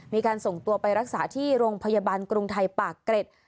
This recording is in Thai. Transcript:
มีการส่งตัวไปรักษาที่โรงพยาบาลกรุงไทยปากเกร็ด